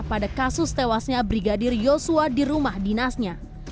pada kasus tewasnya brigadir yosua di rumah dinasnya